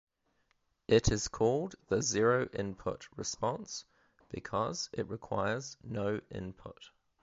It is called the zero-input response because it requires no input.